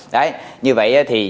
đấy như vậy thì